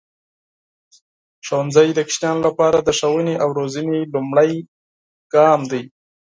ښوونځی د ماشومانو لپاره د ښوونې او روزنې لومړنی ګام دی.